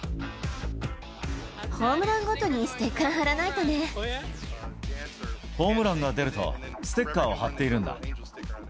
ホームランごとにステッカーホームランが出ると、ステッカーを貼っているんだ。